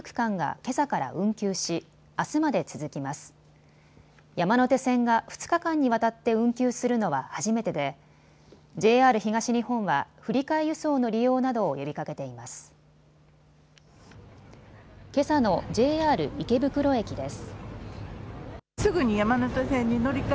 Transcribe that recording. けさのＪＲ池袋駅です。